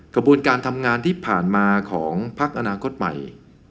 กระบวนการทำงานที่ผ่านมาของพักอนาคตใหม่